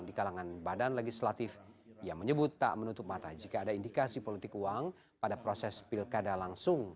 di kalangan badan legislatif yang menyebut tak menutup mata jika ada indikasi politik uang pada proses pilkada langsung